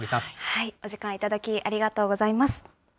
お時間頂きありがとうございます。